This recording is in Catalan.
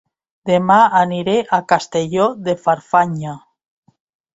Dema aniré a Castelló de Farfanya